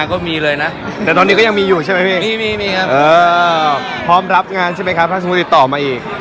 ก็มีเลยนะแต่ตอนนี้ก็ยังมีอยู่ใช่ไหมพี่มีมีครับพร้อมรับงานใช่ไหมครับถ้าสมมุติติดต่อมาอีก